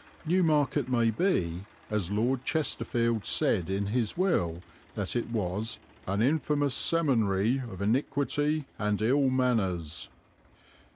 Newmarket may be, as Lord Chesterfield said in his will that it was, "an infamous seminary of iniquity and ill manners."